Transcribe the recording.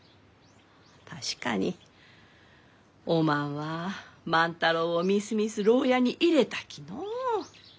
確かにおまんは万太郎をみすみす牢屋に入れたきのう。